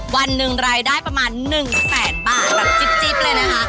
วันหนึ่งรายได้ประมาณ๑แสนบาทแบบจิ๊บเลยนะคะ